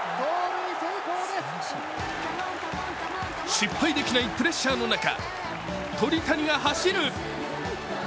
失敗できないプレッシャーの中鳥谷が走る！